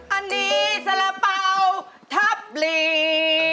อันนี้สระเปร่าทับลี